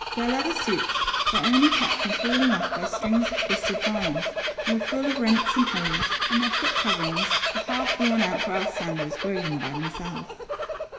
Their leather suits were only kept from falling off by strings of twisted vines, and wer6 full of rents and holes, and their foot covering was the half worn out grass sandals woven by themselves.